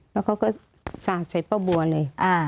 แล้วเขาก็สระใส่เป้าบัวเลย